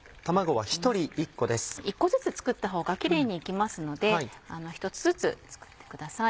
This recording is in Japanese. １個ずつ作った方がきれいにいきますので１つずつ作ってください。